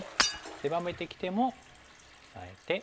狭めてきてもオサえて。